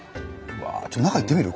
ちょっと中行ってみる？